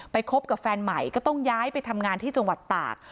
คบกับแฟนใหม่ก็ต้องย้ายไปทำงานที่จังหวัดตาก